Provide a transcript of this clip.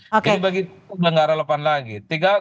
jadi bagi tugas negara lepan lagi